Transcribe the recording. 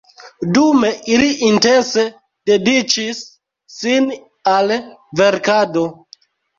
Dume ili intense dediĉis sin al verkado.